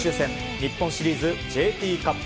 日本シリーズＪＴカップ。